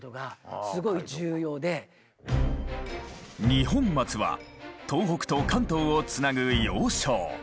二本松は東北と関東をつなぐ要衝。